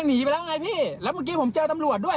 หนีไปแล้วไงพี่แล้วเมื่อกี้ผมเจอตำรวจด้วย